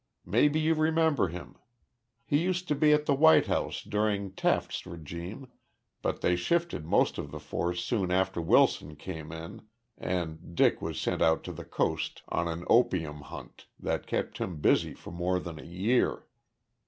Maybe you remember him. He used to be at the White House during Taft's regime, but they shifted most of the force soon after Wilson came in and Dick was sent out to the Coast on an opium hunt that kept him busy for more than a year.